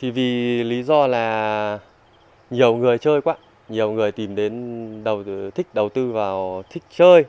thì vì lý do là nhiều người chơi quá nhiều người tìm đến đầu thích đầu tư vào thích chơi